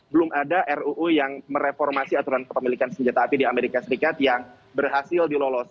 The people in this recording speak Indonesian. belum ada ruu yang mereformasi aturan kepemilikan senjata api di amerika serikat yang berhasil dilolos